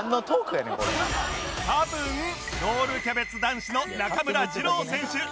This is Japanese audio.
多分ロールキャベツ男子の中村仁郎選手